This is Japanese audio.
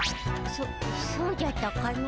そそうじゃったかの。